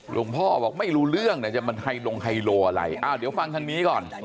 พ่อบอกไม่รู้เรื่องนะจะมันไฮลงไฮโลอะไรอ้าวเดี๋ยวฟังทางนี้ก่อน